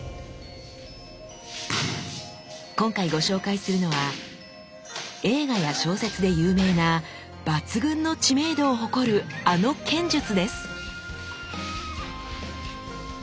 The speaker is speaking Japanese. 今回ご紹介するのは映画や小説で有名な抜群の知名度を誇るあの剣術です。